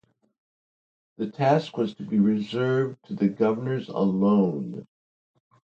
This task was to be reserved to the governors alone.